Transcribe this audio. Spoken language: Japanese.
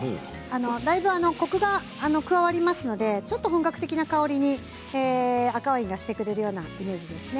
だいぶコクが加わりますのでちょっと本格的な香りに赤ワインがしてくれるようなイメージですね。